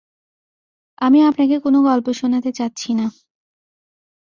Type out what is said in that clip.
আমি আপনাকে কোনো গল্প শোনাতে চাচ্ছি না।